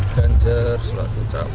dari relawan sendiri